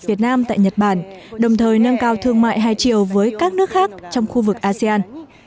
việt nam tại nhật bản đồng thời nâng cao thương mại hai triệu với các nước khác trong khu vực asean